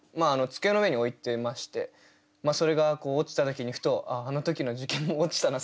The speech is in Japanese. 机の上に置いてましてそれが落ちた時にふと「あの時の受験も落ちたな